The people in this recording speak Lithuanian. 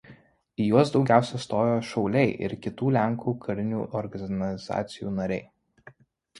Į juos daugiausia stojo šauliai ir kitų lenkų karinių organizacijų nariai.